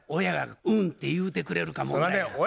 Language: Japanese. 親が「うん」て言うてくれるか問題や。